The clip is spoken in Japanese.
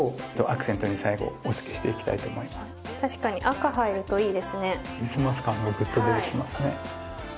クリスマス感がぐっと出てきますね。